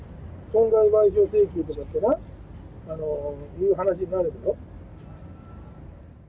損害賠償請求とかってな、いう話になるだろ。